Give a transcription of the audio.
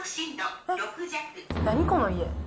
何、この家？